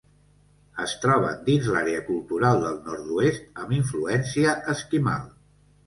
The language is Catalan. Es troben dins l'àrea cultural del Nord-oest amb influència esquimal.